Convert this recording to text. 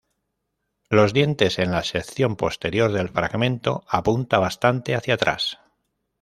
Los dientes en la sección posterior del fragmento apunta bastante hacia atrás.